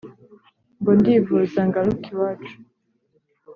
ngo ndivuza ngaruke iwacu